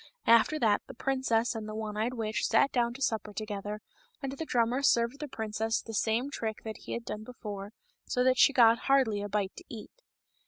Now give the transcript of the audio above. After that the princess and the one eyed witch sat down to supper together, and the drummer served the princess the same trick that he had done before, so that she got hardly a bite to eat.